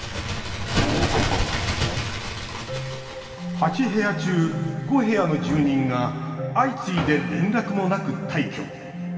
８部屋中５部屋の住人が相次いで連絡もなく退去。